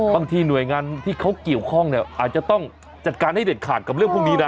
บางทีหน่วยงานที่เขาเกี่ยวข้องเนี่ยอาจจะต้องจัดการให้เด็ดขาดกับเรื่องพวกนี้นะ